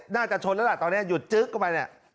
น่าจะชนแล้วล่ะตอนนี้หยุดจึ๊กเข้าไปเนี่ย